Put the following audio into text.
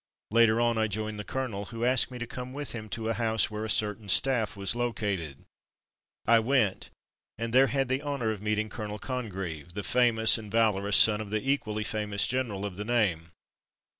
Later on I joined the colonel, who asked me to come with him to a house where a certain staff was located — I went, and there had the honour of meeting Colonel Congreve, the famous and valorous son of the equally famous general of that name.